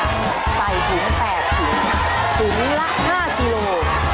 ใส่ขึงแตกขึงขึงละ๕กิโลกรัม